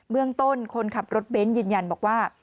เรื่องต้นคนขับรถเบนท์ยืนยันบอกว่า